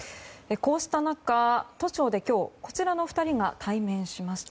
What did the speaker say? こうした中都庁で今日こちらの２人が対面しました。